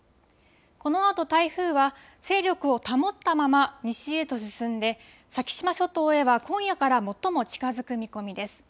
このあと台風は勢力を保ったまま西へと進んで、先島諸島へは今夜から最も近づく見込みです。